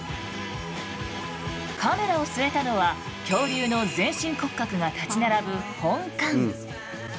カメラを据えたのは恐竜の全身骨格が立ち並ぶ本館。